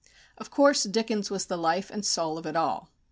Of course Dickens was the life and soul of it all.